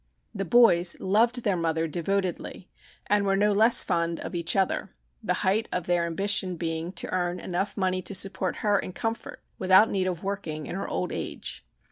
The boys loved their mother devotedly and were no less fond of each other, the height of their ambition being to earn enough money to support her in comfort without need of working in her old age.